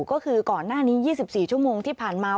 ก็คือก่อนหน้านี้๒๔ชั่วโมงที่ผ่านมา